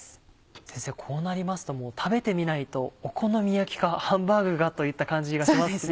先生こうなりますともう食べてみないとお好み焼きかハンバーグがといった感じがします。